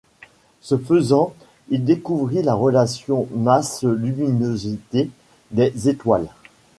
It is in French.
Ce faisant, il découvrit la relation masse-luminosité des étoiles.